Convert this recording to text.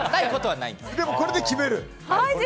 でもこれで決めると。